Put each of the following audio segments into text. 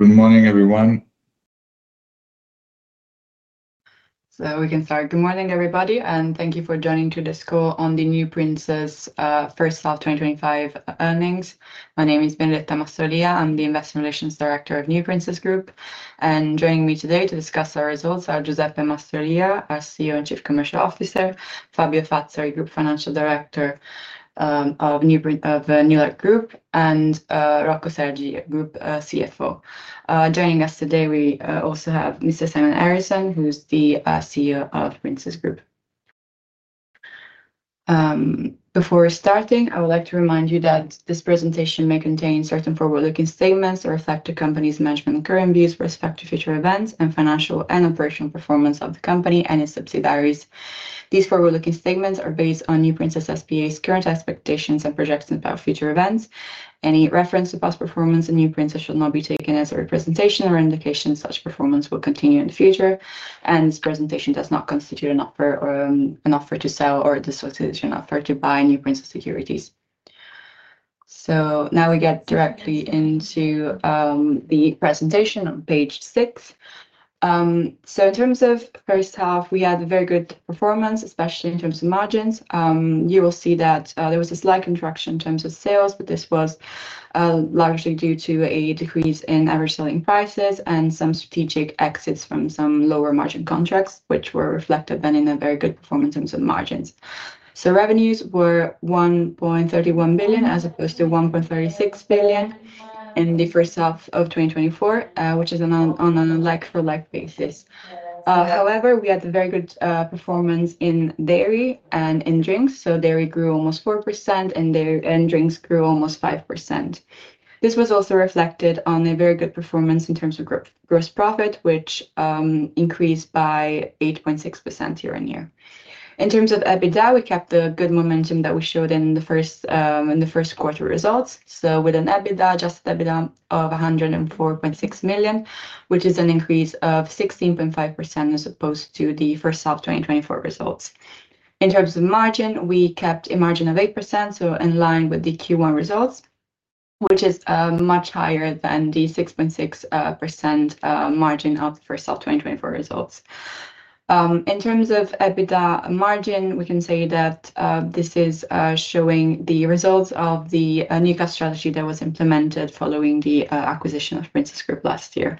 Good morning, everyone. We can start. Good morning, everybody, and thank you for joining this call on the NewPrinces's First-Half 2025 Earnings. My name is Benedetta Mastrolia, I'm the Investor Relations Director of NewPrinces Group. Joining me today to discuss our results are Giuseppe Mastrolia, our CEO and Chief Commercial Officer, Fabio Fazzari, Group Financial Director of NewPrinces Group, and Rocco Sergi, Group CFO. Joining us today, we also have Mr. Simon Eriksson, who's the CEO of NewPrinces Group. Before starting, I would like to remind you that this presentation may contain certain forward-looking statements that reflect the company's management and current views with respect to future events and financial and operational performance of the company and its subsidiaries. These forward-looking statements are based on NewPrinces's current expectations and projections about future events. Any reference to past performance in NewPrinces should not be taken as a representation or indication that such performance will continue in the future, and this presentation does not constitute an offer to sell or a solicitation of an offer to buy NewPrinces securities. Now we get directly into the presentation on Page 6. In terms of the first half, we had a very good performance, especially in terms of margins. You will see that there was a slight contraction in terms of sales, but this was largely due to a decrease in average selling prices and some strategic exits from some lower margin contracts, which were reflected then in a very good performance in terms of margins. Revenues were 1.31 billion, as opposed to 1.36 billion in the first-half of 2024, which is on a like-for-like basis. However, we had a very good performance in dairy and in drinks. Dairy grew almost 4% and drinks grew almost 5%. This was also reflected in a very good performance in terms of gross profit, which increased by 8.6% year-on-year. In terms of EBITDA, we kept the good momentum that we showed in the first quarter results, with an adjusted EBITDA of 104.6 million, which is an increase of 16.5% as opposed to the first-half 2024 results. In terms of margin, we kept a margin of 8%, in line with the Q1 results, which is much higher than the 6.6% margin of the first-half 2024 results. In terms of EBITDA margin, we can say that this is showing the results of the new cash strategy that was implemented following the acquisition of NewPrinces Group last year.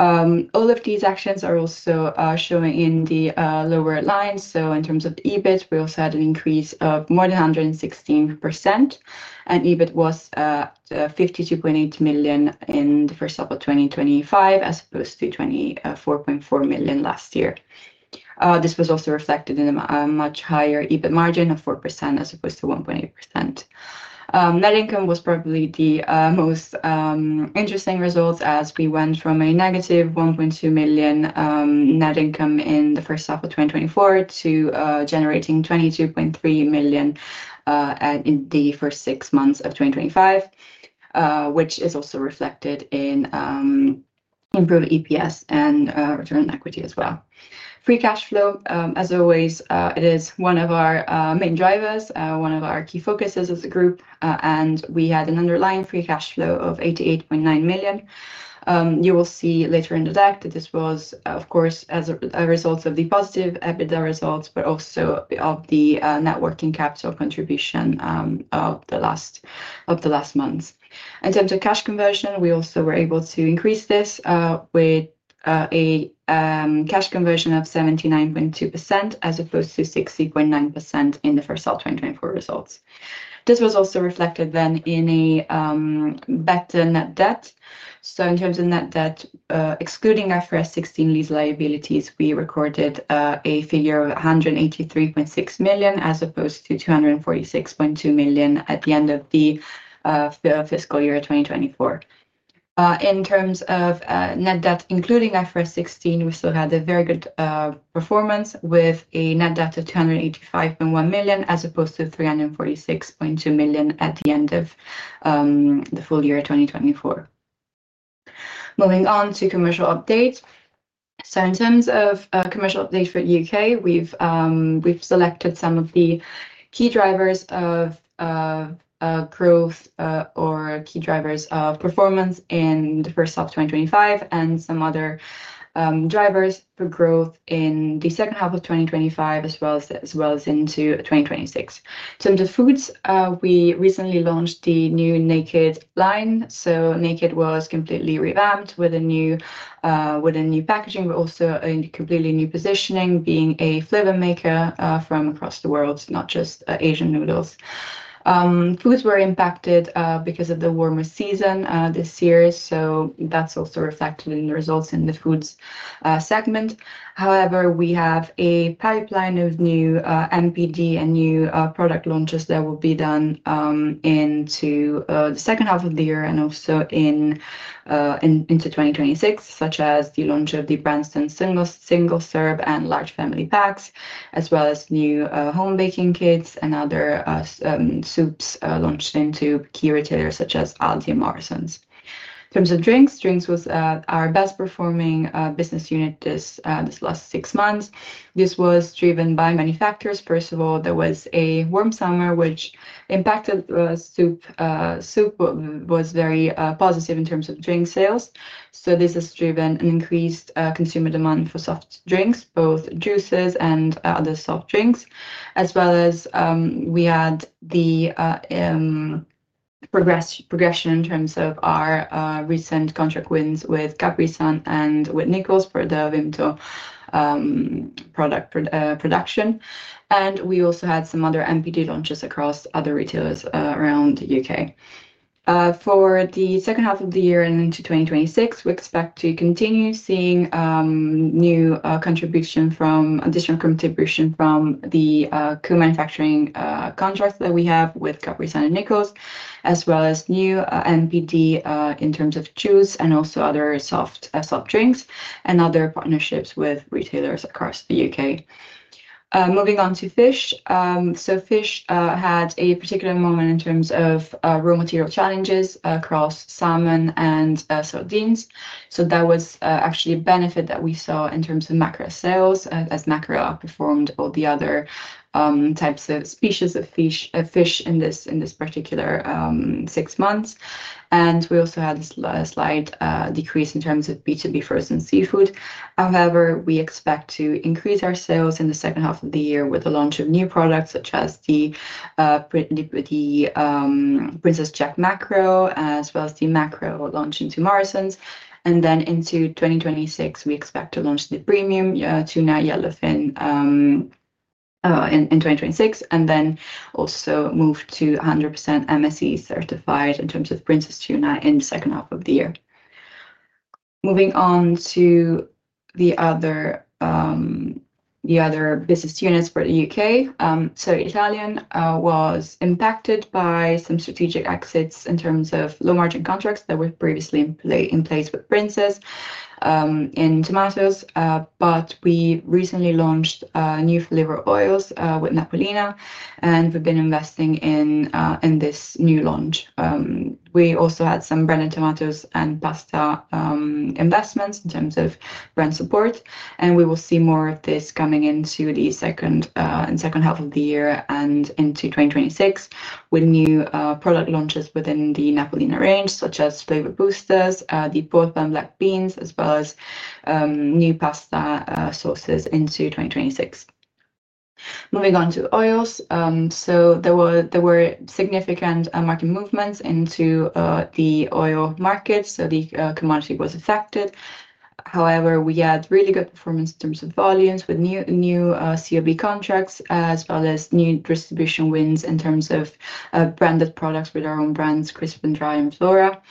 All of these actions are also shown in the lower lines. In terms of EBIT, we also had an increase of more than 116%, and EBIT was 52.8 million in the first-half of 2025, as opposed to 24.4 million last year. This was also reflected in a much higher EBIT margin of 4% as opposed to 1.8%. Net income was probably the most interesting result, as we went from a -1.2 million net income in the first half of 2024 to generating 22.3 million in the first six months of 2025, which is also reflected in improved EPS and return on equity as well. Free cash flow, as always, is one of our main drivers, one of our key focuses as a group, and we had an underlying free cash flow of 88.9 million. You will see later in the deck that this was, of course, as a result of the positive EBITDA results, but also of the net working capital contribution of the last months. In terms of cash conversion, we also were able to increase this with a cash conversion of 79.2% as opposed to 60.9% in the first-half 2024 results. This was also reflected then in a better net debt. In terms of net debt, excluding IFRS 16 lease liabilities, we recorded a figure of 183.6 million, as opposed to 246.2 million at the end of the fiscal year of 2024. In terms of net debt, including IFRS 16, we still had a very good performance with a net debt of 285.1 million, as opposed to 346.2 million at the end of the full year 2024. Moving on to commercial updates. In terms of commercial updates for the U.K., we've selected some of the key drivers of growth or key drivers of performance in the first half of 2025 and some other drivers for growth in the second half of 2025, as well as into 2026. In terms of foods, we recently launched the new Naked line. Naked was completely revamped with new packaging, but also a completely new positioning, being a flavor maker from across the world, not just Asian noodles. Foods were impacted because of the warmer season this year, so that's also reflected in the results in the foods segment. However, we have a pipeline of new NPD and new product launches that will be done into the second half of the year and also into 2026, such as the launch of the Branston Single Serve and Large Family Packs, as well as new home baking kits and other soups launched into key retailers such as Aldi and Morrisons. In terms of drinks, drinks was our best performing business unit this last six months. This was driven by many factors. First of all, there was a warm summer, which impacted soup. Soup was very positive in terms of drink sales. This has driven an increased consumer demand for soft drinks, both juices and other soft drinks, as well as we had the progression in terms of our recent contract wins with Capri-Sun and with Nichols for the Vimto product production. We also had some other NPD launches across other retailers around the U.K. For the second half of the year and into 2026, we expect to continue seeing new contribution from additional contribution from the co-manufacturing contracts that we have with Capri-Sun and Nichols, as well as new NPD in terms of juice and also other soft drinks and other partnerships with retailers across the U.K. Moving on to fish. Fish had a particular moment in terms of raw material challenges across salmon and sardines. That was actually a benefit that we saw in terms of mackerel sales, as mackerel outperformed all the other types of species of fish in this particular six months. We also had a slight decrease in terms of B2B frozen seafood. However, we expect to increase our sales in the second half of the year with the launch of new products such as the Princes Jack mackerel, as well as the mackerel launching to Morrisons. Into 2026, we expect to launch the premium tuna yellowfin in 2026, and also move to 100% MSC certified in terms of Princes tuna in the second half of the year. Moving on to the other business units for the U.K. Italian was impacted by some strategic exits in terms of low margin contracts that were previously in place with Princes in tomatoes, but we recently launched new flavor oils with Napolina, and we've been investing in this new launch. We also had some bread and tomatoes and pasta investments in terms of brand support, and we will see more of this coming into the second half of the year and into 2026 with new product launches within the Napolina range, such as flavor boosters, the pork bone black beans, as well as new pasta sauces into 2026. Moving on to oils, there were significant market movements into the oil market, so the commodity was affected. However, we had really good performance in terms of volumes with new COB contracts, as well as new distribution wins in terms of branded products with our own brands, Crisp and Dry and Flora.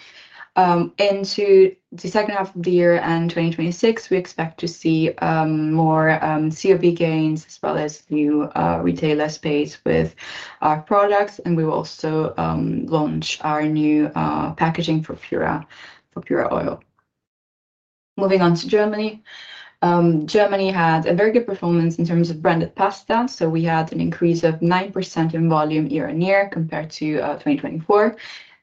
Into the second half of the year and 2026, we expect to see more COB gains, as well as new retailer space with our products, and we will also launch our new packaging for Fura oil. Moving on to Germany. Germany had a very good performance in terms of branded pasta, so we had an increase of 9% in volume year on year compared to 2024.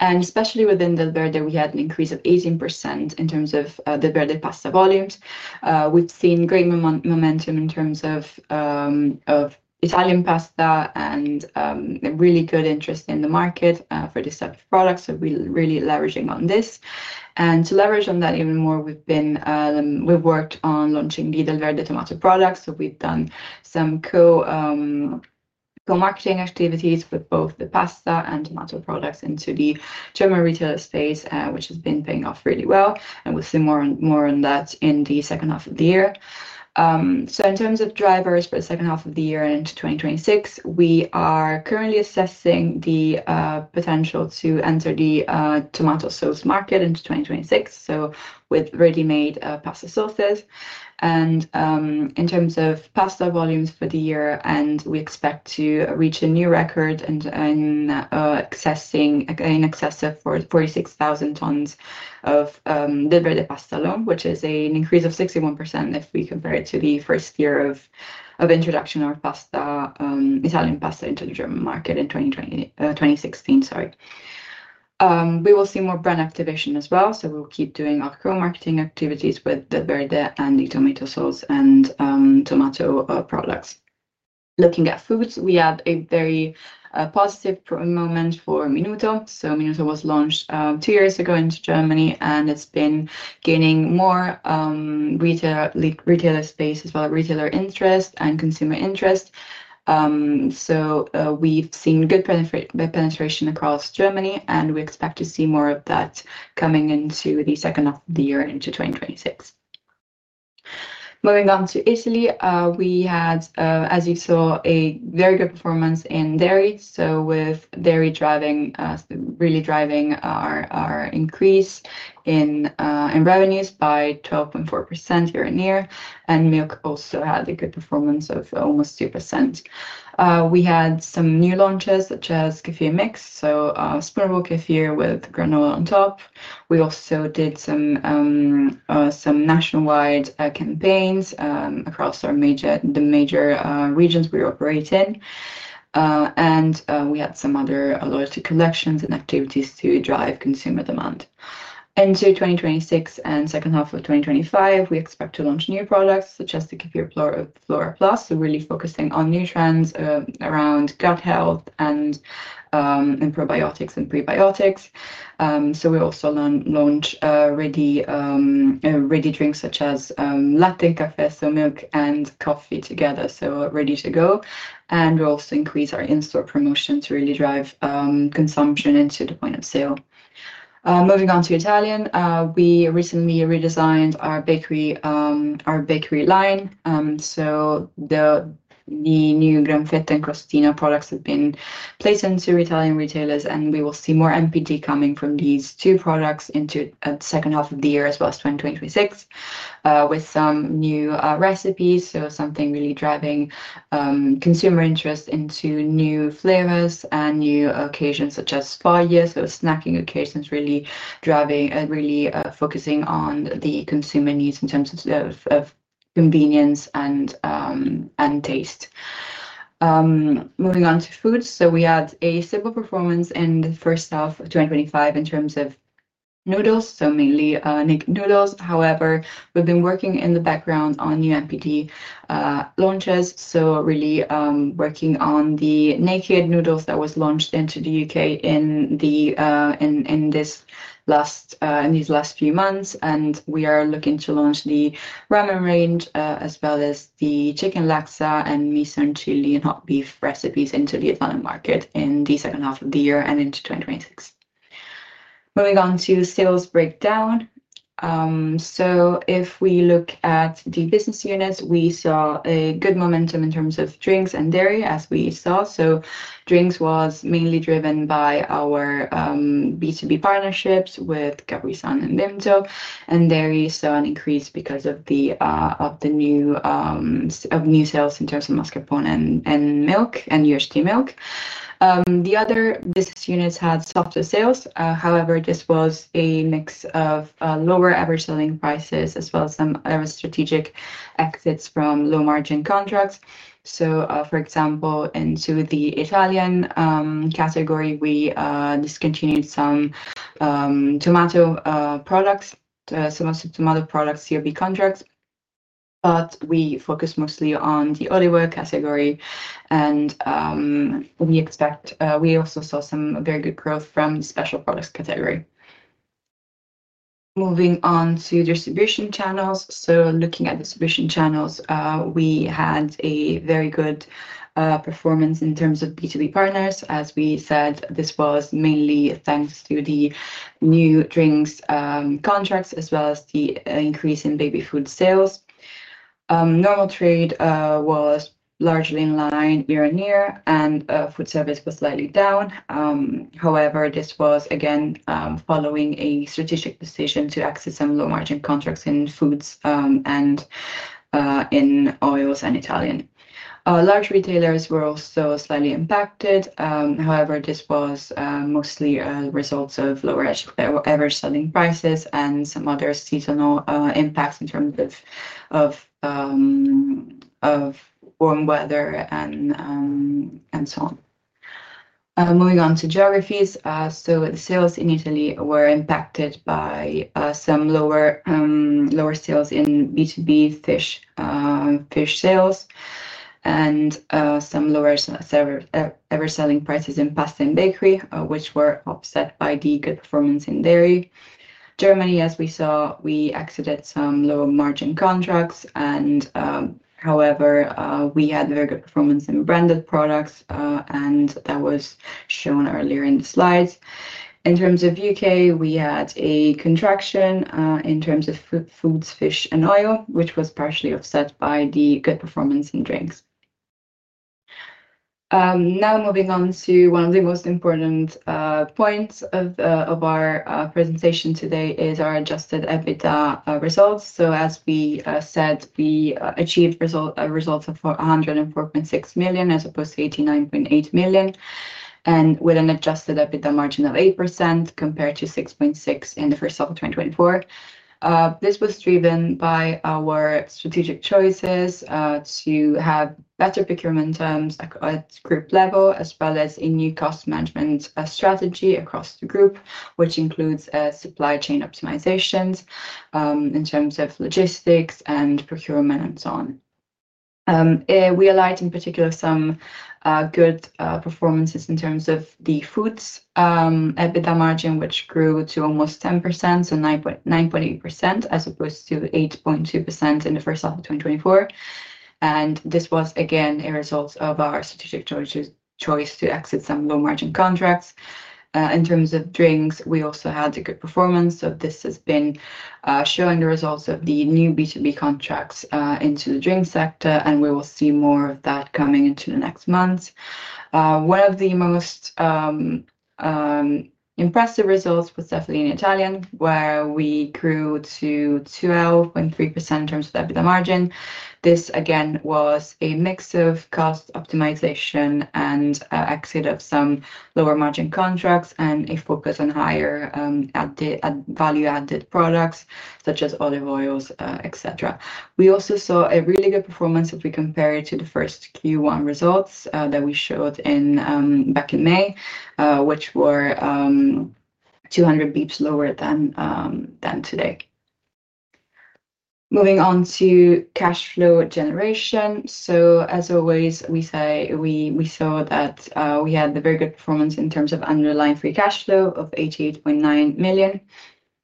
Especially within Delverde, we had an increase of 18% in terms of Delverde pasta volumes. We've seen great momentum in terms of Italian pasta and a really good interest in the market for this set of products, so we're really leveraging on this. To leverage on that even more, we've worked on launching the Delverde tomato products, so we've done some co-marketing activities with both the pasta and tomato products into the German retailer space, which has been paying off really well, and we'll see more on that in the second half of the year. In terms of drivers for the second half of the year and into 2026, we are currently assessing the potential to enter the tomato sauce market into 2026, with ready-made pasta sauces. In terms of pasta volumes for the year, we expect to reach a new record in excess of 46,000 tons of Delverde pasta alone, which is an increase of 61% if we compare it to the first year of introduction of Italian pasta into the German market in 2016. We will see more brand activation as well, so we'll keep doing our co-marketing activities with Delverde and the tomato sauce and tomato products. Looking at foods, we have a very positive moment for Minuto. Minuto was launched two years ago into Germany, and it's been gaining more retailer space, as well as retailer interest and consumer interest. We've seen good penetration across Germany, and we expect to see more of that coming into the second half of the year and into 2026. Moving on to Italy, we had, as you saw, a very good performance in dairy. Dairy is really driving our increase in revenues by 12.4% year-on-year, and milk also had a good performance of almost 2%. We had some new launches such as kefir mix, so spreadable kefir with granola on top. We also did some nationwide campaigns across the major regions we operate in, and we had some other loyalty collections and activities to drive consumer demand. Into 2026 and second half of 2025, we expect to launch new products such as the Kefir Flora Plus, really focusing on new trends around gut health and probiotics and prebiotics. We also launched ready drinks such as latte and caffè, so milk and coffee together, ready to go. We also increased our in-store promotion to really drive consumption into the point of sale. Moving on to Italian, we recently redesigned our bakery line. The new Graffiti and Cristina products have been placed into Italian retailers, and we will see more NPD coming from these two products into the second half of the year, as well as 2026, with some new recipes. Something really driving consumer interest into new flavors and new occasions such as Faggio, so snacking occasions really driving, really focusing on the consumer needs in terms of convenience and taste. Moving on to foods, we had a stable performance in the first half of 2025 in terms of noodles, mainly Naked noodles. However, we've been working in the background on new NPD launches, really working on the Naked noodles that was launched into the U.K. in these last few months. We are looking to launch the ramen range, as well as the chicken laksa and miso and chili and hot beef recipes into the Italian market in the second half of the year and into 2026. Moving on to sales breakdown, if we look at the business units, we saw good momentum in terms of drinks and dairy, as we saw. Drinks was mainly driven by our B2B partnerships with Capri-Sun and Vimto, and dairy saw an increase because of the new sales in terms of mascarpone and milk and UHT milk. The other business units had softer sales, this was a mix of lower average selling prices, as well as some other strategic exits from low margin contracts. For example, in the Italian category, we discontinued some tomato products, some of the tomato products co-manufacturing contracts, but we focused mostly on the olive oil category. We also saw some very good growth from the special products category. Moving on to distribution channels, looking at distribution channels, we had a very good performance in terms of B2B partners. As we said, this was mainly thanks to the new drinks contracts, as well as the increase in baby food sales. Normal trade was largely in line year-on-year, and food service was slightly down. This was again following a strategic decision to exit some low margin contracts in foods and in oils and Italian. Large retailers were also slightly impacted. However, this was mostly a result of lower average selling prices and some other seasonal impacts in terms of warm weather and so on. Moving on to geographies, the sales in Italy were impacted by some lower sales in B2B fish sales and some lower average selling prices in pasta and bakery, which were offset by the good performance in dairy. Germany, as we saw, we exited some low margin contracts. However, we had very good performance in branded products, and that was shown earlier in the slides. In terms of U.K., we had a contraction in terms of foods, fish, and oil, which was partially offset by the good performance in drinks. Now moving on to one of the most important points of our presentation today, our adjusted EBITDA results. As we said, we achieved results of 104.6 million as opposed to 89.8 million, with an adjusted EBITDA margin of 8% compared to 6.6% in the first-half of 2024. This was driven by our strategic choices to have better procurement terms at the group level, as well as a new cost management strategy across the group, which includes supply chain optimizations in terms of logistics and procurement and so on. We highlight in particular some good performances in terms of the foods EBITDA margin, which grew to almost 10%, so 9.8% as opposed to 8.2% in the first-half of 2024. This was again a result of our strategic choice to exit some low margin contracts. In terms of drinks, we also had a good performance. This has been showing the results of the new B2B contracts into the drink sector, and we will see more of that coming into the next months. One of the most impressive results was definitely in Italy, where we grew to 12.3% in terms of EBITDA margin. This again was a mix of cost optimization and exit of some lower margin contracts and a focus on higher value-added products such as olive oils, etc. We also saw a really good performance if we compare it to the first Q1 results that we showed back in May, which were 200 bps lower than today. Moving on to cash flow generation, as always, we say we saw that we had a very good performance in terms of underlying free cash flow of 88.9 million.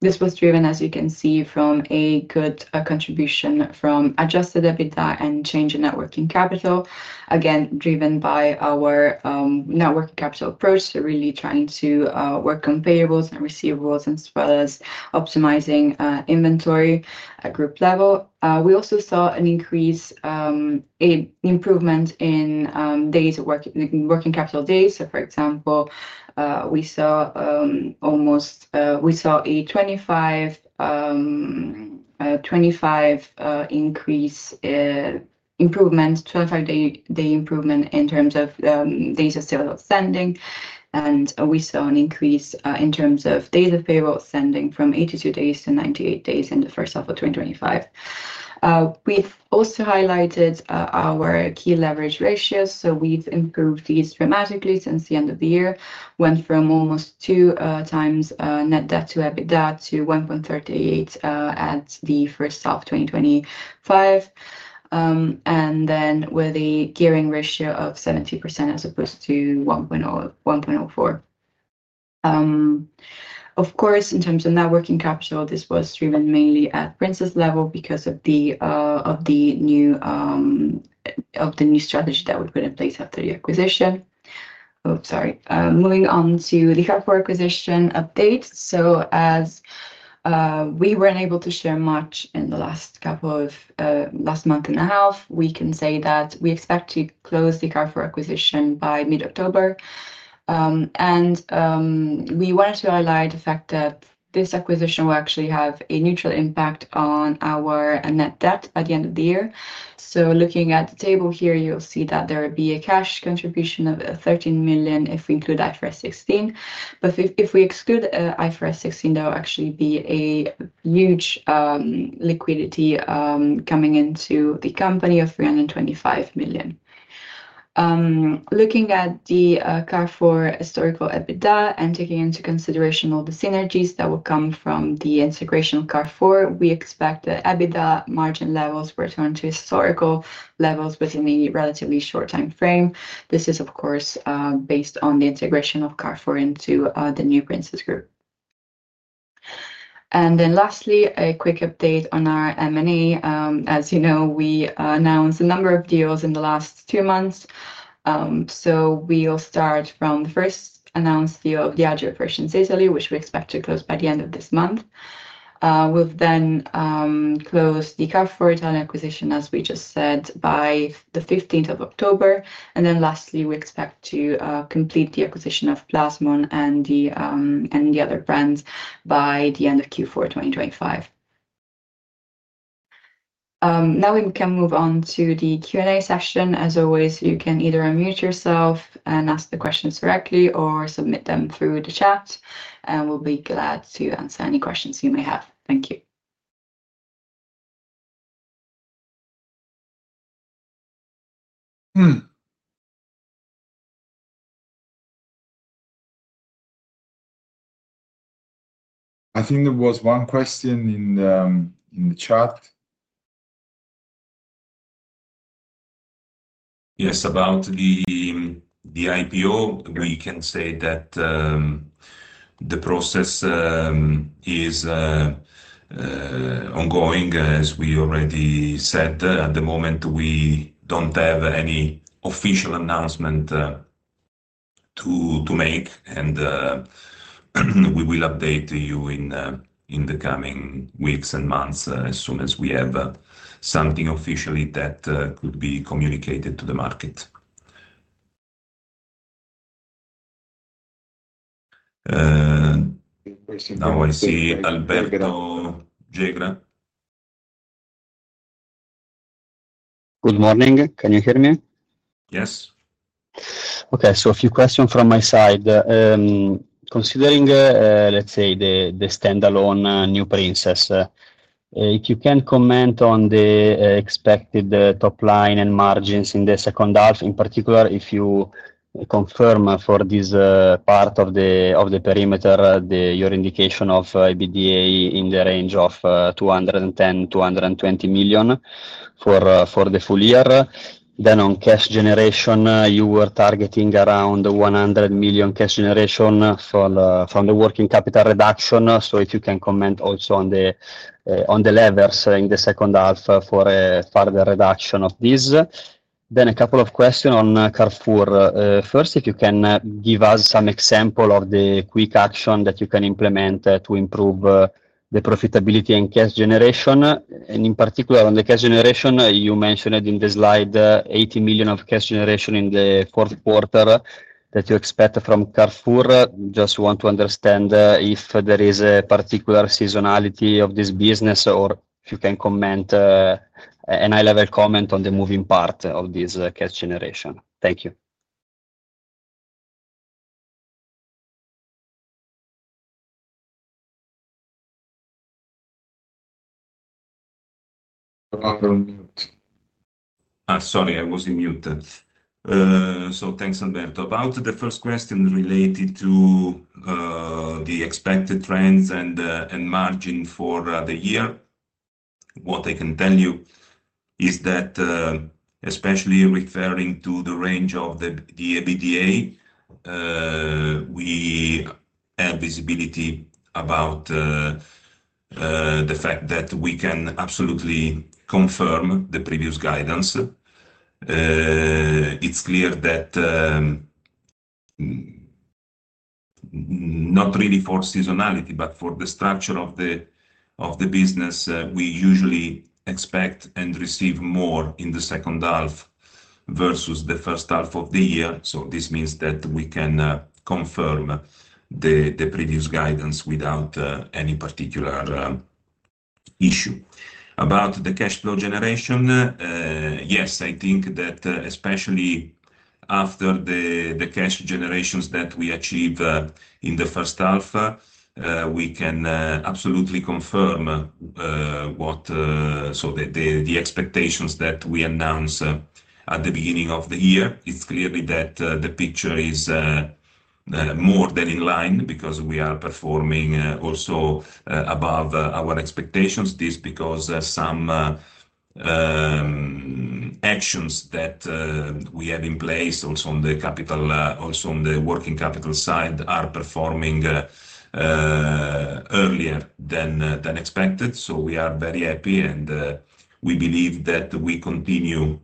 This was driven, as you can see, from a good contribution from adjusted EBITDA and change in net working capital, again driven by our net working capital approach to really trying to work on payables and receivables, as well as optimizing inventory at group level. We also saw an increase, an improvement in days, working capital days. For example, we saw a 25-day improvement in terms of days of sales outstanding. We saw an increase in terms of days of payable outstanding from 82 days-98 days in the first-half of 2025. We've also highlighted our key leverage ratios. We've improved these dramatically since the end of the year, went from almost 2x net debt to EBITDA to 1.38 at the first-half of 2025, and then with a gearing ratio of 70% as opposed to 1.04x. In terms of net working capital, this was driven mainly at NewPrinces level because of the new strategy that we put in place after the acquisition. Moving on to the Carrefour acquisition update, as we weren't able to share much in the last month and a half, we can say that we expect to close the Carrefour Italia acquisition by mid-October. We wanted to highlight the fact that this acquisition will actually have a neutral impact on our net debt by the end of the year. Looking at the table here, you'll see that there will be a cash contribution of 13 million if we include IFRS 16. If we exclude IFRS 16, there will actually be a huge liquidity coming into the company of 325 million. Looking at the Carrefour historical EBITDA and taking into consideration all the synergies that will come from the integration of Carrefour Italia, we expect the EBITDA margin levels to return to historical levels within a relatively short time frame. This is, of course, based on the integration of Carrefour into the NewPrinces Group. Lastly, a quick update on our M&A. As you know, we announced a number of deals in the last two months. We will start from the first announced deal of Agile Operations Italy, which we expect to close by the end of this month. We've then closed the Carrefour acquisition, as we just said, by the 15th of October. Lastly, we expect to complete the acquisition of Plasmon and the other brands by the end of Q4 2025. Now we can move on to the Q&A session. As always, you can either unmute yourself and ask the questions directly or submit them through the chat, and we'll be glad to answer any questions you may have. Thank you. I think there was one question in the chat. Yes, about the IPO, we can say that the process is ongoing, as we already said. At the moment, we don't have any official announcement to make, and we will update you in the coming weeks and months as soon as we have something officially that could be communicated to the market. Now I see Alberto Gegra. Good morning. Can you hear me? Yes. Okay. A few questions from my side. Considering, let's say, the standalone NewPrinces, if you can comment on the expected top line and margins in the second half, in particular if you confirm for this part of the perimeter your indication of EBITDA in the range of 210 million-220 million for the full year. On cash generation, you were targeting around 100 million cash generation from the working capital reduction. If you can comment also on the levers in the second half for a further reduction of this. A couple of questions on Carrefour. First, if you can give us some example of the quick action that you can implement to improve the profitability and cash generation. In particular, on the cash generation, you mentioned it in the slide, 80 million of cash generation in the quarter that you expect from Carrefour. I just want to understand if there is a particular seasonality of this business or if you can comment, a high-level comment on the moving part of this cash generation. Thank you. About Alberto. Sorry, I was on mute. Thanks, Alberto. About the first question related to the expected trends and margin for the year, what I can tell you is that especially referring to the range of the EBITDA, we have visibility about the fact that we can absolutely confirm the previous guidance. It's clear that not really for seasonality, but for the structure of the business, we usually expect and receive more in the second half versus the first-half of the year. This means that we can confirm the previous guidance without any particular issue. About the cash flow generation, yes, I think that especially after the cash generations that we achieve in the first-half, we can absolutely confirm what the expectations that we announced at the beginning of the year. It's clear that the picture is more than in line because we are performing also above our expectations. This is because some actions that we have in place, also on the capital, also on the working capital side, are performing earlier than expected. We are very happy, and we believe that we continue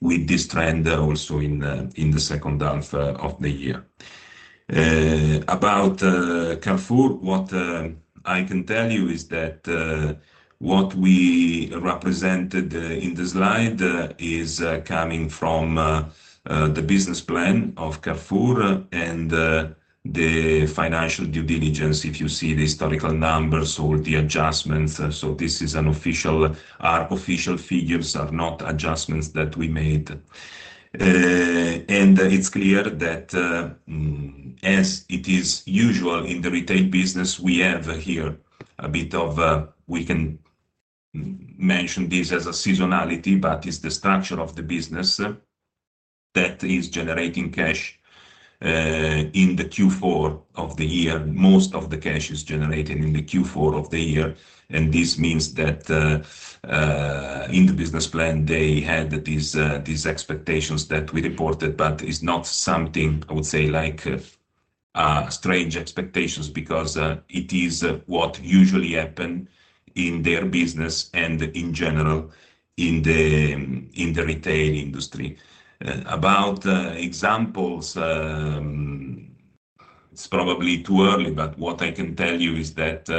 with this trend also in the second half of the year. About Carrefour, what I can tell you is that what we represented in the slide is coming from the business plan of Carrefour and the financial due diligence. If you see the historical numbers or the adjustments, this is official. Our official figures are not adjustments that we made. It's clear that, as it is usual in the retail business, we have here a bit of, we can mention this as a seasonality, but it's the structure of the business that is generating cash in Q4 of the year. Most of the cash is generated in Q4 of the year. This means that in the business plan, they had these expectations that we reported, but it's not something I would say like strange expectations because it is what usually happens in their business and in general in the retail industry. About examples, it's probably too early, but what I can tell you is that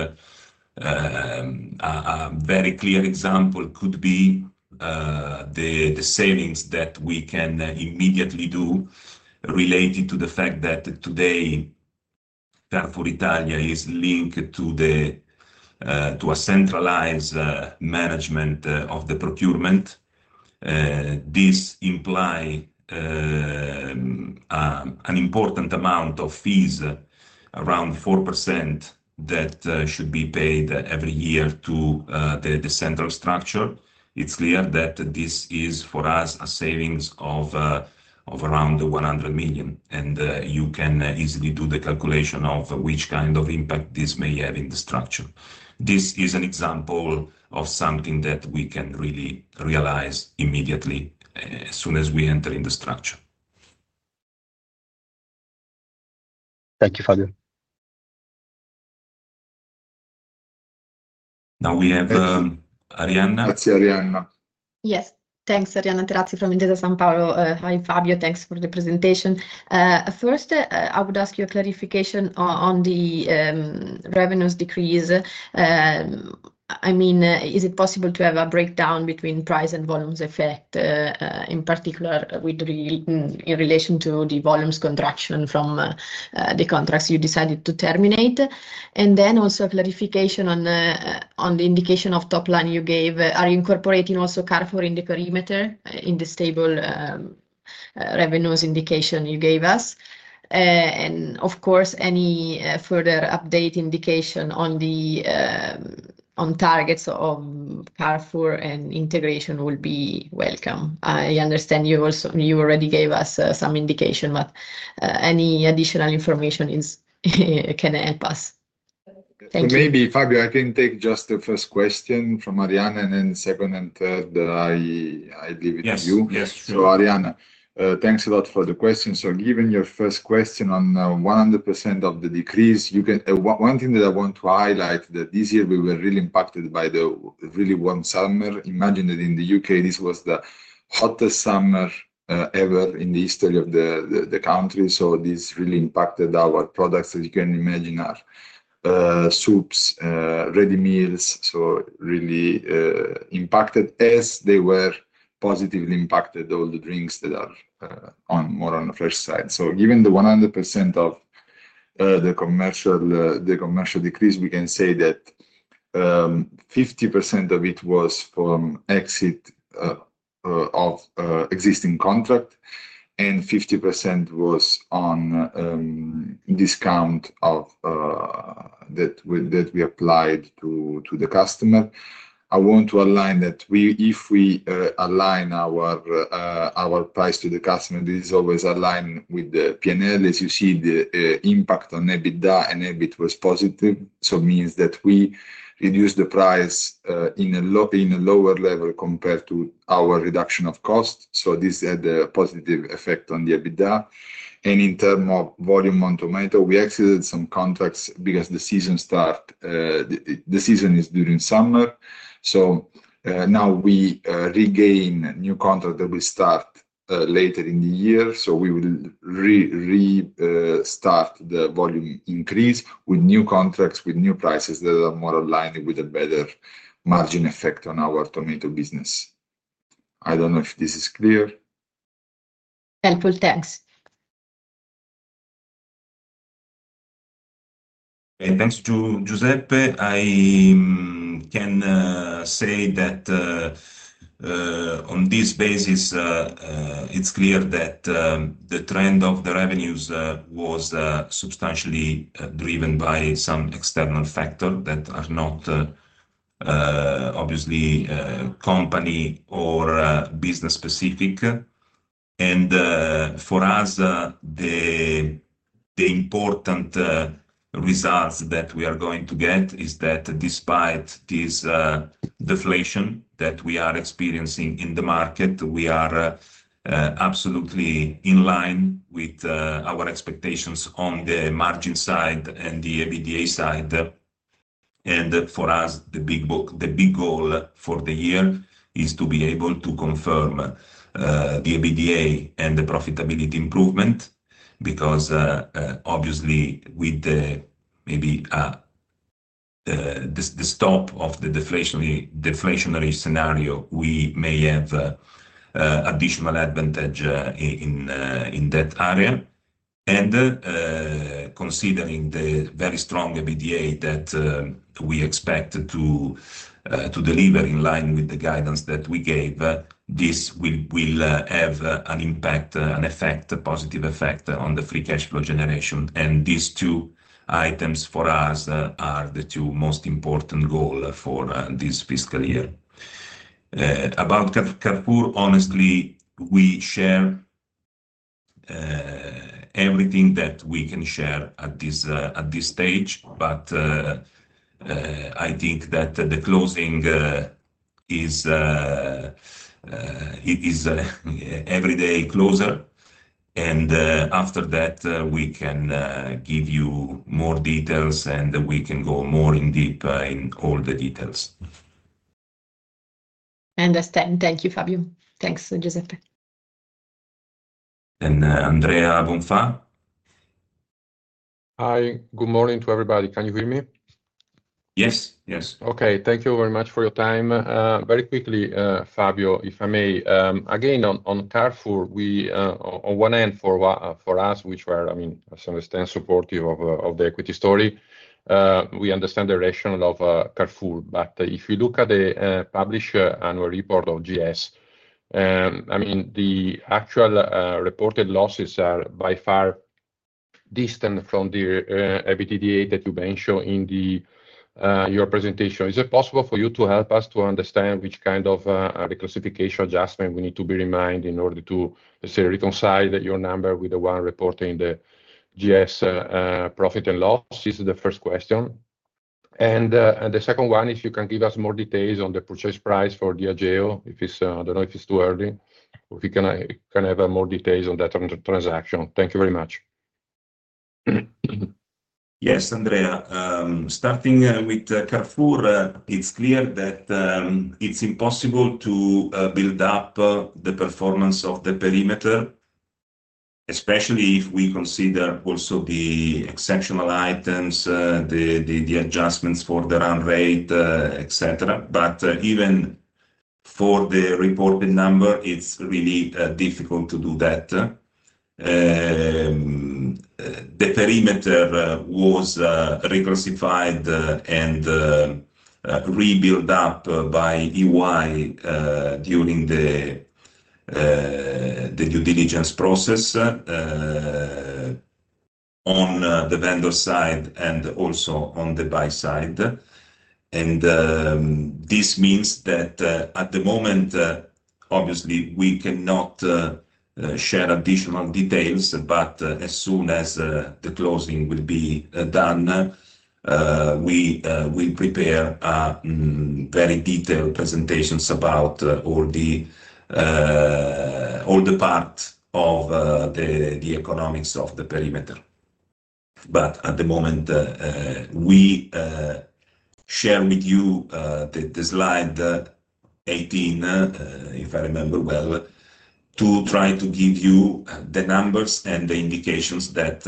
a very clear example could be the savings that we can immediately do related to the fact that today Carrefour Italia is linked to a centralized management of the procurement. This implies an important amount of fees, around 4% that should be paid every year to the central structure. It's clear that this is for us a savings of around 100 million. You can easily do the calculation of which kind of impact this may have in the structure. This is an example of something that we can really realize immediately as soon as we enter in the structure. Thank you, Fabio. Now we have Arianna. Yes, thanks, Arianna Terazzi from Intesa Sanpaolo. Hi, Fabio. Thanks for the presentation. First, I would ask you a clarification on the revenues decrease. I mean, is it possible to have a breakdown between price and volumes effect? In particular, in relation to the volumes contraction from the contracts you decided to terminate. Also, a clarification on the indication of top line you gave. Are you incorporating also Carrefour in the perimeter in the stable revenues indication you gave us? Of course, any further update indication on the targets of Carrefour and integration will be welcome. I understand you also already gave us some indication, but any additional information can help us. Maybe, Fabio, I can take just the first question from Arianna, and then the second and third I give to you. Yes, yes. Arianna, thanks a lot for the question. Given your first question on 100% of the decrease, one thing that I want to highlight is that this year we were really impacted by the really warm summer. Imagine that in the U.K., this was the hottest summer ever in the history of the country. This really impacted our products, as you can imagine, our soups and ready meals. It really impacted, as they were positively impacted, all the drinks that are more on the fresh side. Given the 100% of the commercial decrease, we can say that 50% of it was from exit of existing contract and 50% was on discount that we applied to the customer. I want to align that if we align our price to the customer, this is always aligned with the P&L. As you see, the impact on EBITDA and EBIT was positive. It means that we reduced the price in a lower level compared to our reduction of cost. This had a positive effect on the EBITDA. In terms of volume on tomato, we exited some contracts because the season starts, the season is during summer. Now we regain new contracts that will start later in the year. We will restart the volume increase with new contracts, with new prices that are more aligned with a better margin effect on our tomato business. I don't know if this is clear. Thankful, thanks. Thanks to Giuseppe, I can say that on this basis, it's clear that the trend of the revenues was substantially driven by some external factors that are not obviously company or business specific. For us, the important results that we are going to get is that despite this deflation that we are experiencing in the market, we are absolutely in line with our expectations on the margin side and the EBITDA side. For us, the big goal for the year is to be able to confirm the EBITDA and the profitability improvement because obviously with maybe the stop of the deflationary scenario, we may have additional advantage in that area. Considering the very strong EBITDA that we expect to deliver in line with the guidance that we gave, this will have an impact, a positive effect on the free cash flow generation. These two items for us are the two most important goals for this fiscal year. About Carrefour, honestly, we share everything that we can share at this stage. I think that the closing is every day closer. After that, we can give you more details and we can go more in deep in all the details. I understand. Thank you, Fabio. Thanks, Giuseppe. Andrea Bonfa. Hi. Good morning to everybody. Can you hear me? Yes, yes. Okay. Thank you very much for your time. Very quickly, Fabio, if I may, again, on Carrefour, for us, which were, as I understand, supportive of the equity story, we understand the rationale of Carrefour. If you look at the published annual report of GS, the actual reported losses are by far distant from the EBITDA that you mentioned in your presentation. Is it possible for you to help us to understand which kind of reclassification adjustment we need to be reminded in order to reconcile your number with the one reporting the GS profit and loss? This is the first question. The second one, if you can give us more details on the purchase price for the Agile, I don't know if it's too early, but we can have more details on that transaction. Thank you very much. Yes, Andrea. Starting with Carrefour, it's clear that it's impossible to build up the performance of the perimeter, especially if we consider also the exceptional items, the adjustments for the run rate, etc. Even for the reported number, it's really difficult to do that. The perimeter was reclassified and rebuilt up by EY during the due diligence process on the vendor side and also on the buy side. This means that at the moment, obviously, we cannot share additional details, but as soon as the closing will be done, we will prepare very detailed presentations about all the parts of the economics of the perimeter. At the moment, we share with you Slide 18, if I remember well, to try to give you the numbers and the indications that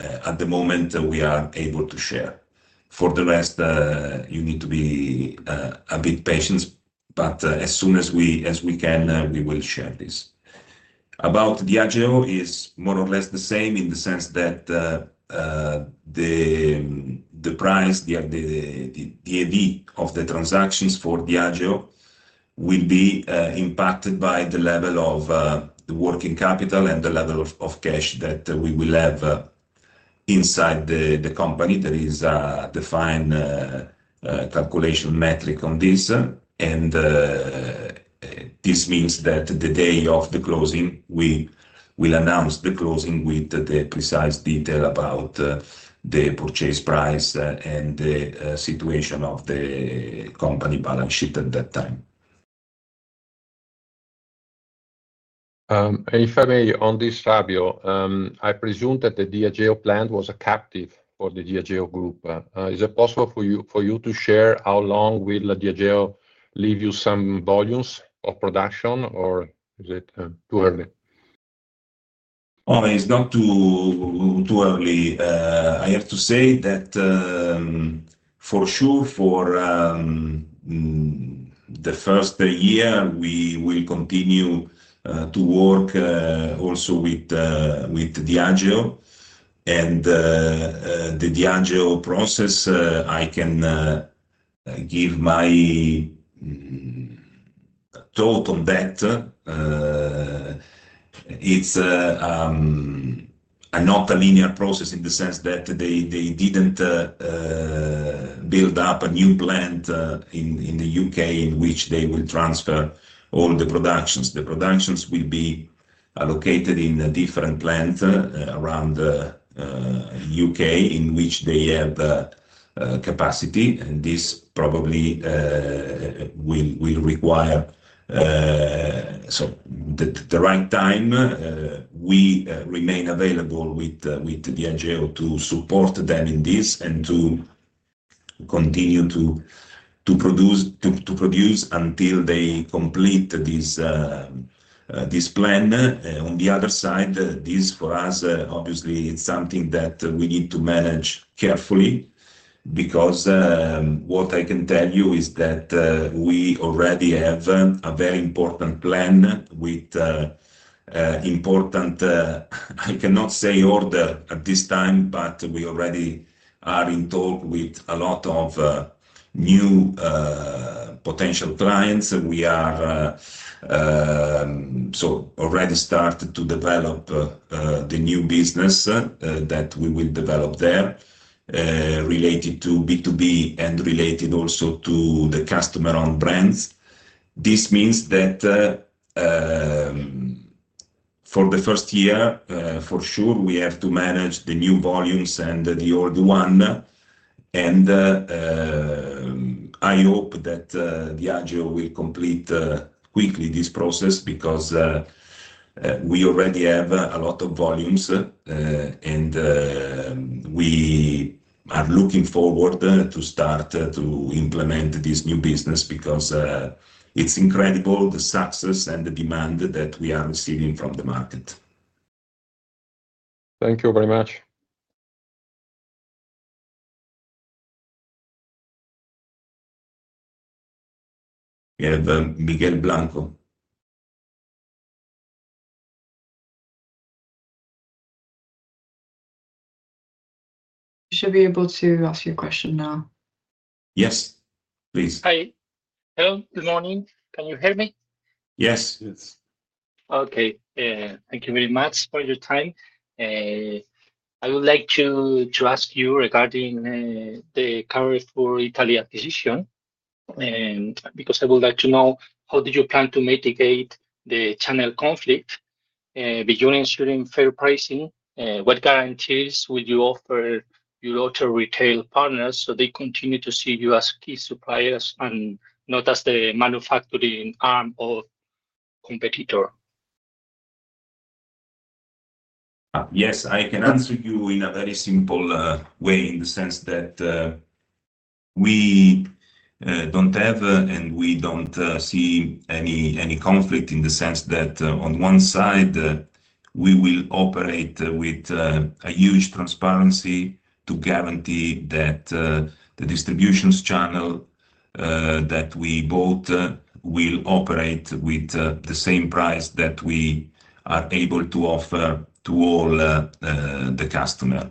at the moment we are able to share. For the rest, you need to be a bit patient, but as soon as we can, we will share this. About Agile, it's more or less the same in the sense that the price, the adjusted EBITDA of the transactions for Agile will be impacted by the level of the working capital and the level of cash that we will have inside the company. There is a defined calculation metric on this. This means that the day of the closing, we will announce the closing with the precise detail about the purchase price and the situation of the company balance sheet at that time. If I may, on this, Fabio, I presume that the Ageo plant was a captive for the Diageo group. Is it possible for you to share how long will Diageo leave you some volumes of production, or is it too early? It's not too early. I have to say that for sure, for the first year, we will continue to work also with Diageo. The Diageo process, I can give my thought on that. It's not a linear process in the sense that they didn't build up a new plant in the U.K. in which they will transfer all the productions. The productions will be located in a different plant around the U.K. in which they have capacity. This probably will require the right time. We remain available with Diageo to support them in this and to continue to produce until they complete this plan. On the other side, this for us, obviously, it's something that we need to manage carefully because what I can tell you is that we already have a very important plan with important, I cannot say order at this time, but we already are in talk with a lot of new potential clients. We are already started to develop the new business that we will develop there related to B2B and related also to the customer-owned brands. This means that for the first year, for sure, we have to manage the new volumes and the old one. I hope that Diageo will complete quickly this process because we already have a lot of volumes. We are looking forward to start to implement this new business because it's incredible, the success and the demand that we are receiving from the market. Thank you very much. We have Miguel Blanco. Should we be able to ask you a question now? Yes, please. Hi. Hello. Good morning. Can you hear me? Yes, yes. Okay. Thank you very much for your time. I would like to ask you regarding the Carrefour Italia acquisition because I would like to know how did you plan to mitigate the channel conflict? Beyond ensuring fair pricing, what guarantees would you offer your retail partners so they continue to see you as key suppliers and not as the manufacturing arm or competitor? Yes, I can answer you in a very simple way in the sense that we don't have and we don't see any conflict in the sense that on one side, we will operate with a huge transparency to guarantee that the distribution channel that we bought will operate with the same price that we are able to offer to all the customers.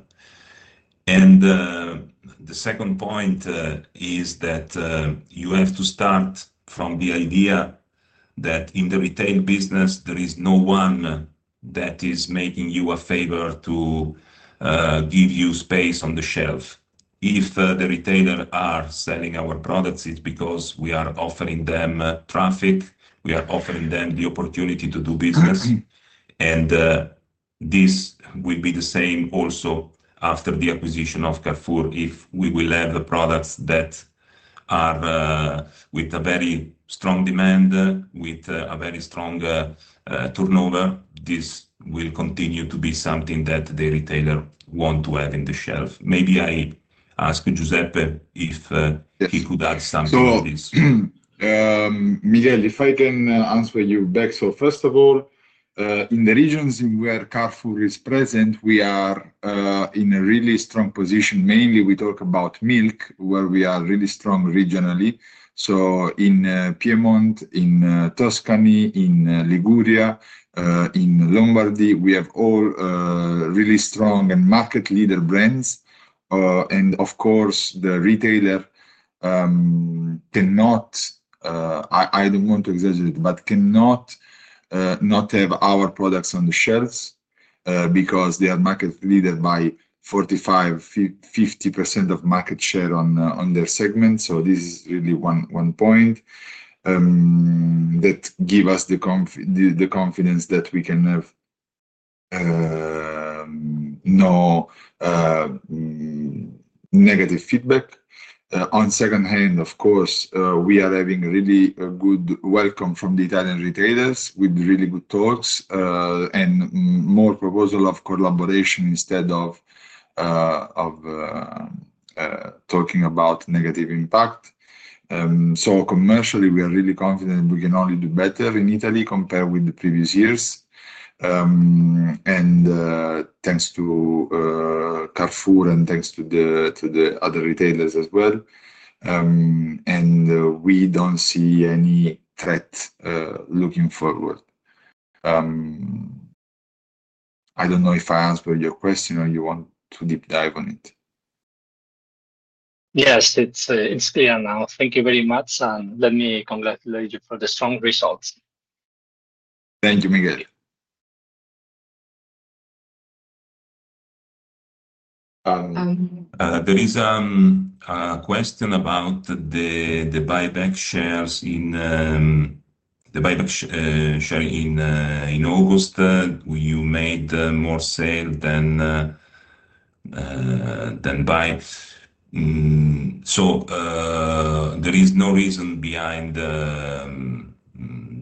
The second point is that you have to start from the idea that in the retail business, there is no one that is making you a favor to give you space on the shelf. If the retailers are selling our products, it's because we are offering them traffic. We are offering them the opportunity to do business. This will be the same also after the acquisition of Carrefour if we will have products that are with a very strong demand, with a very strong turnover. This will continue to be something that the retailer wants to have on the shelf. Maybe I ask Giuseppe if he could add something to this. Miguel, if I can answer you back. First of all, in the regions where Carrefour is present, we are in a really strong position. Mainly, we talk about milk, where we are really strong regionally. In Piedmont, in Tuscany, in Liguria, in Lombardy, we have all really strong and market-leader brands. Of course, the retailer cannot, I don't want to exaggerate, but cannot not have our products on the shelves because they are market-leader by 45%, 50% of market share in their segment. This is really one point that gives us the confidence that we can have no negative feedback. On the other hand, we are having really a good welcome from the Italian retailers with really good talks and more proposals of collaboration instead of talking about negative impact. Commercially, we are really confident we can only do better in Italy compared with the previous years, thanks to Carrefour and thanks to the other retailers as well. We don't see any threat looking forward. I don't know if I answered your question or you want to deep dive on it. Yes, it's here now. Thank you very much. Let me congratulate you for the strong results. Thank you, Miguel. There is a question about the buyback shares in the sharing in August. You made more sales than buys. There is no reason behind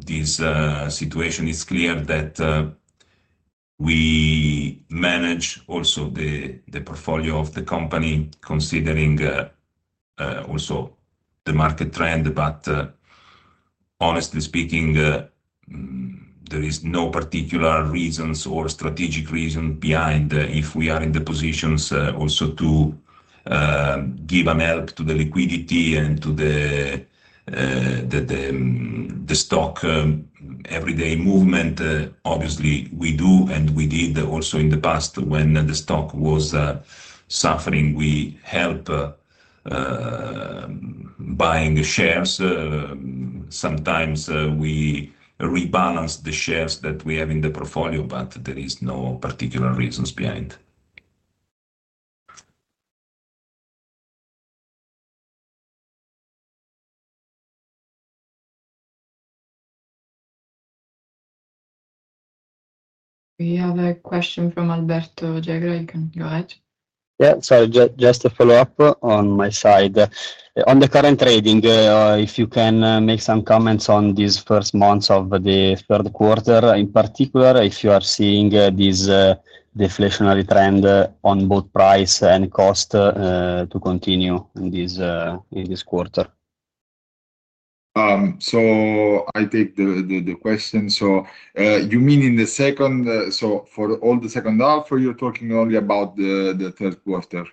this situation. It's clear that we manage also the portfolio of the company considering also the market trend. Honestly speaking, there are no particular reasons or strategic reasons behind if we are in the positions also to give an help to the liquidity and to the stock everyday movement. Obviously, we do, and we did also in the past when the stock was suffering. We help buying shares. Sometimes we rebalance the shares that we have in the portfolio, but there are no particular reasons behind. We have a question from Alberto Gegra. You can go ahead. Sorry, just to follow up on my side. On the current trading, if you can make some comments on these first months of the third quarter, in particular, if you are seeing this deflationary trend on both price and cost to continue in this quarter. Do you mean for all the second half, or are you talking only about the third quarter?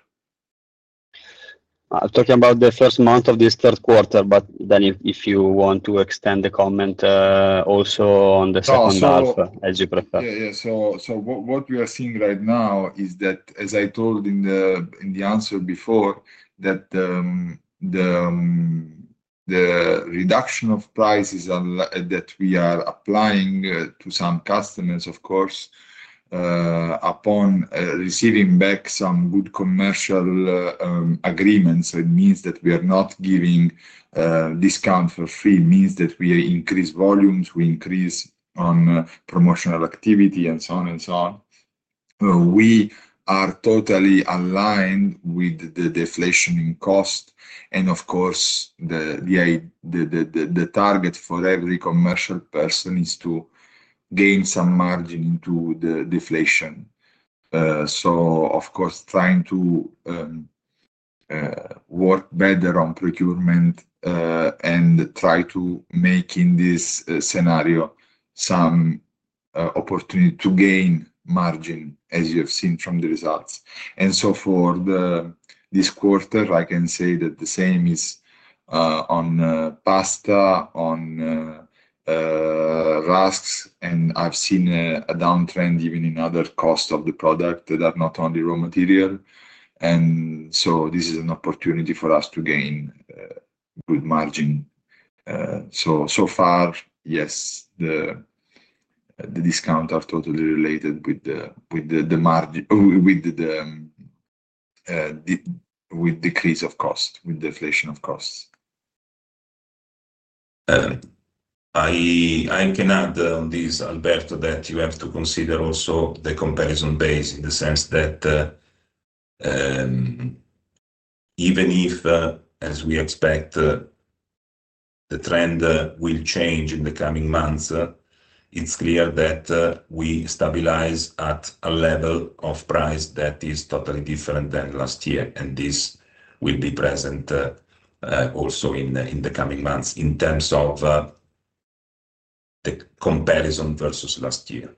I'm talking about the first month of this third quarter, but if you want to extend the comment also on the second half, as you prefer. Yeah, yeah. What we are seeing right now is that, as I told in the answer before, the reduction of prices that we are applying to some customers, of course, upon receiving back some good commercial agreements. It means that we are not giving discounts for free. It means that we increase volumes, we increase on promotional activity, and so on. We are totally aligned with the deflation in cost. The target for every commercial person is to gain some margin into the deflation. Of course, trying to work better on procurement and try to make in this scenario some opportunity to gain margin, as you have seen from the results. For this quarter, I can say that the same is on pasta, on rice, and I've seen a downtrend even in other costs of the product that are not only raw material. This is an opportunity for us to gain good margin. So far, yes, the discounts are totally related with the decrease of cost, with the deflation of costs. I can add on this, Alberto, that you have to consider also the comparison base in the sense that even if, as we expect, the trend will change in the coming months, it's clear that we stabilize at a level of price that is totally different than last year. This will be present also in the coming months in terms of the comparison versus last year.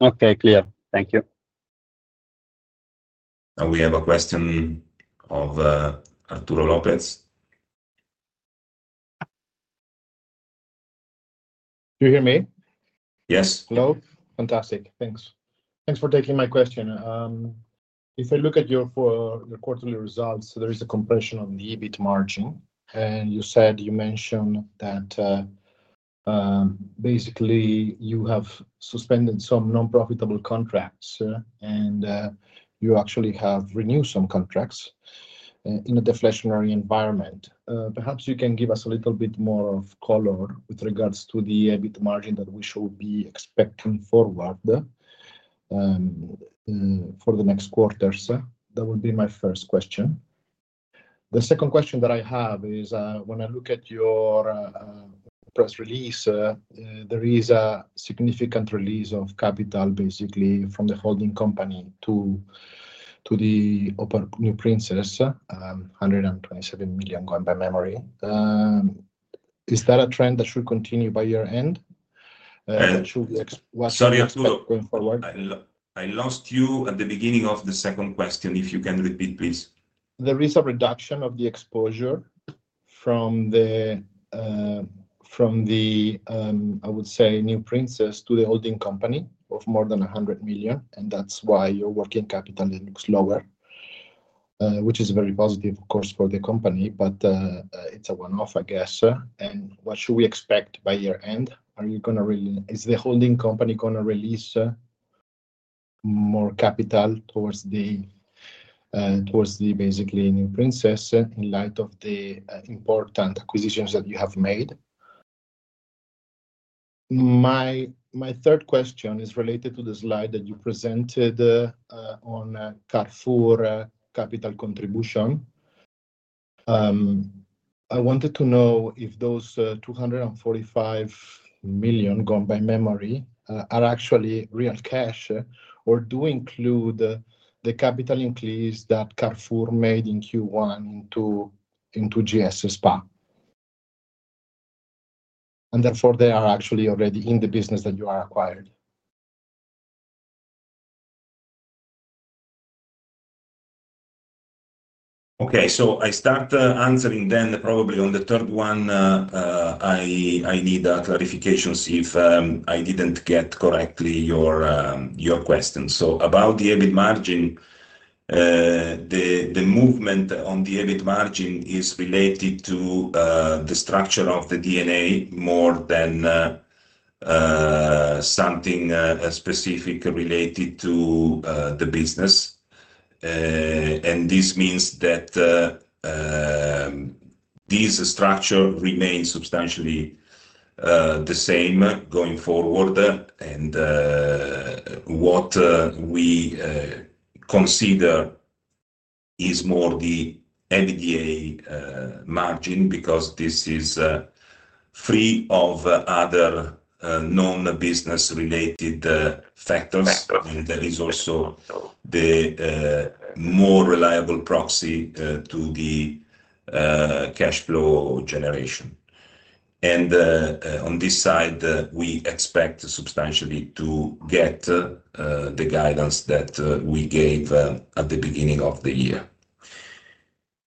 Okay, clear. Thank you. We have a question from Arturo Lopez. Can you hear me? Yes. Hello? Fantastic. Thanks. Thanks for taking my question. If I look at your quarterly results, there is a compression on the EBIT margin. You mentioned that basically, you have suspended some non-profitable contracts, and you actually have renewed some contracts in a deflationary environment. Perhaps you can give us a little bit more color with regards to the EBIT margin that we should be expecting forward for the next quarters. That would be my first question. The second question that I have is when I look at your press release, there is a significant release of capital, basically, from the holding company to the NewPrinces, 127 million, going by memory. Is that a trend that should continue by year-end? Sorry, I lost you at the beginning of the second question. If you can repeat, please. There is a reduction of the exposure from the, I would say, NewPrinces to the holding company of more than 100 million. That's why your working capital looks lower, which is very positive, of course, for the company, but it's a one-off, I guess. What should we expect by year-end? Are you going to really, is the holding company going to release more capital towards the, basically, NewPrinces in light of the important acquisitions that you have made? My third question is related to the slide that you presented on Carrefour capital contribution. I wanted to know if those 245 million, gone by memory, are actually real cash or do include the capital increase that Carrefour made in Q1 into GS S.p.A. and therefore, they are actually already in the business that you are acquired. Okay. I start answering then probably on the third one. I need clarifications if I didn't get correctly your question. About the EBIT margin, the movement on the EBIT margin is related to the structure of the DNA more than something specific related to the business. This means that this structure remains substantially the same going forward. What we consider is more the EBITDA margin because this is free of other non-business-related factors. I mean, there is also the more reliable proxy to the cash flow generation. On this side, we expect substantially to get the guidance that we gave at the beginning of the year.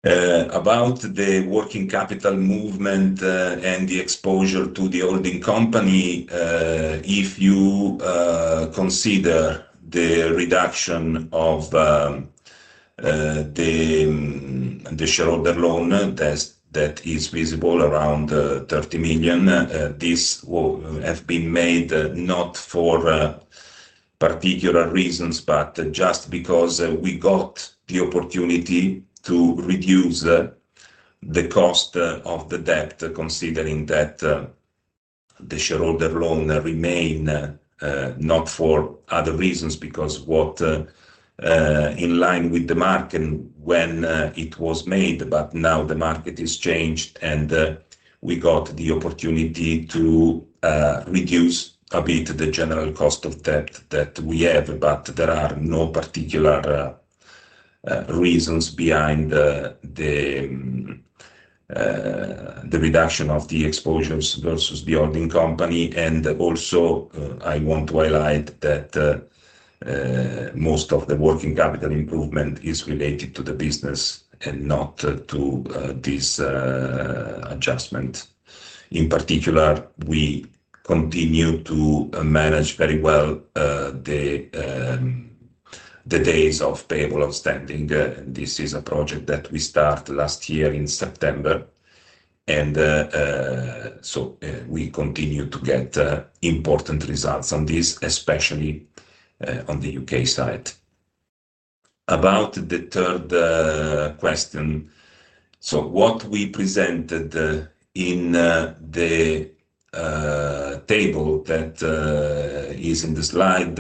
About the working capital movement and the exposure to the holding company, if you consider the reduction of the shareholder loan that is visible around EUR 30 million, this will have been made not for particular reasons, but just because we got the opportunity to reduce the cost of the debt, considering that the shareholder loan remained not for other reasons because it was in line with the market when it was made. Now the market has changed, and we got the opportunity to reduce a bit the general cost of debt that we have. There are no particular reasons behind the reduction of the exposures versus the holding company. I want to highlight that most of the working capital improvement is related to the business and not to this adjustment. In particular, we continue to manage very well the days of payable outstanding. This is a project that we started last year in September, and we continue to get important results on this, especially on the U.K. side. About the third question, what we presented in the table that is in the slide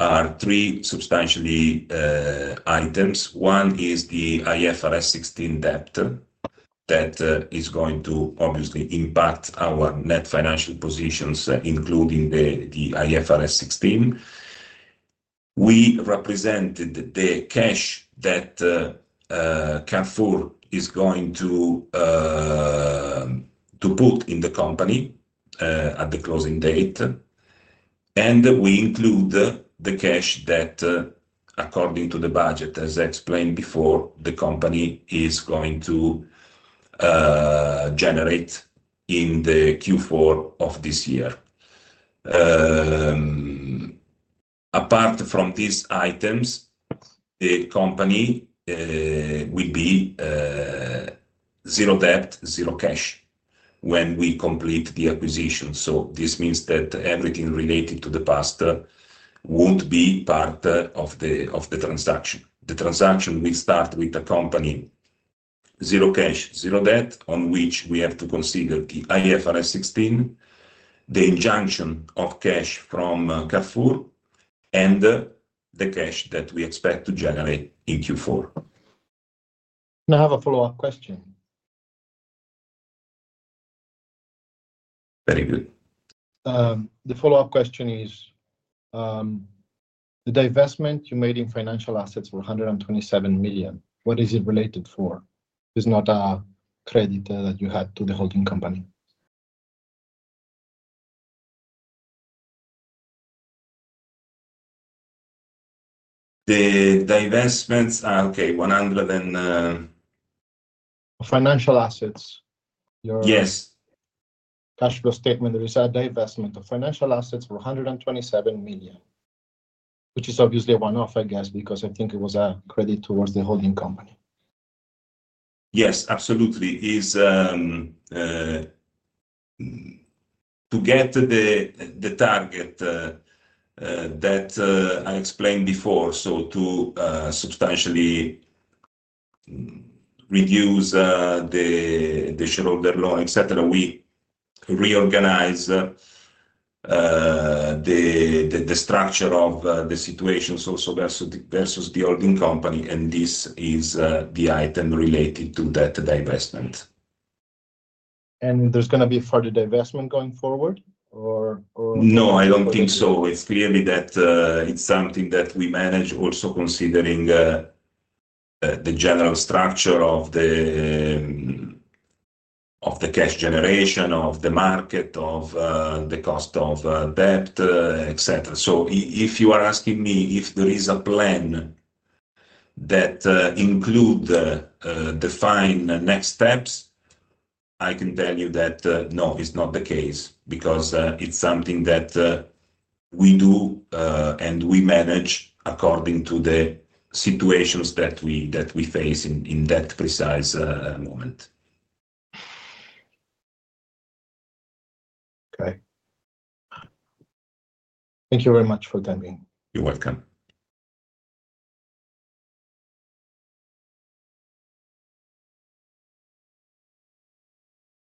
are three substantial items. One is the IFRS 16 debt that is going to obviously impact our net financial positions, including the IFRS 16. We represented the cash that Carrefour is going to put in the company at the closing date. We include the cash that, according to the budget, as I explained before, the company is going to generate in Q4 of this year. Apart from these items, the company will be zero debt, zero cash when we complete the acquisition. This means that everything related to the past won't be part of the transaction. The transaction will start with the company zero cash, zero debt, on which we have to consider the IFRS 16, the injection of cash from Carrefour, and the cash that we expect to generate in Q4. Can I have a follow-up question? Very good. The follow-up question is, the divestment you made in financial assets for 127 million, what is it related for? It's not a credit that you had to the holding company. The divestments, okay, 100 and. Of financial assets, your. Yes. Cash flow statement, there is a divestment of financial assets for 127 million, which is obviously a one-off, I guess, because I think it was a credit towards the holding company. Yes, absolutely. To get the target that I explained before, to substantially reduce the shareholder loan, etc., we reorganize the structure of the situations also versus the holding company. This is the item related to that divestment. Is there going to be further divestment going forward? No, I don't think so. It's clear that it's something that we manage also considering the general structure of the cash generation, of the market, of the cost of debt, etc. If you are asking me if there is a plan that includes the defined next steps, I can tell you that no, it's not the case because it's something that we do and we manage according to the situations that we face in that precise moment. Thank you very much for coming. You're welcome.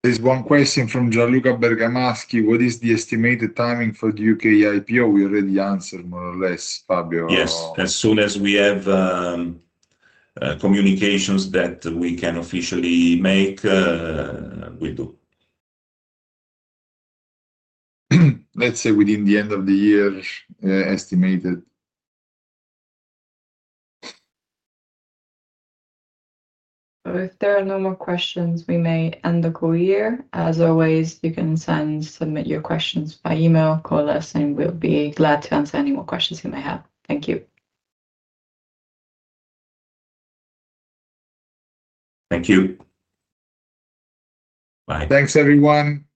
There's one question from Gianluca Bergamaschi. What is the estimated timing for the U.K. IPO? We already answered more or less, Fabio or. Yes. As soon as we have communications that we can officially make, we'll do. Let's say within the end of the year, estimated. If there are no more questions, we may end the call here. As always, you can submit your questions by email, call us, and we'll be glad to answer any more questions you may have. Thank you. Thank you. Bye. Thanks, everyone.